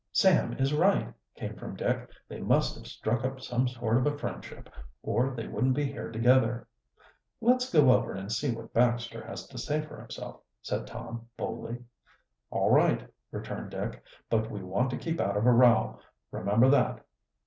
"Sam is right," came from Dick. "They must have struck up some sort of a friendship, or they wouldn't be here together." "Let's go over and see what Baxter has to say for himself," said Tom boldly. "All right," returned Dick. "But we want to keep out of a row; remember that."